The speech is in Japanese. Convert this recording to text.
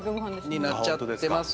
なっちゃってますよね。